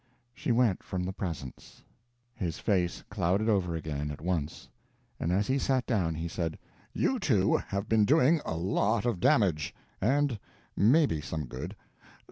She went from the presence. His face clouded over again at once; and as he sat down he said: "You too have been doing a lot of damage and maybe some good.